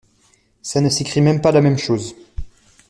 Ça ne s’écrit même pas la même chose.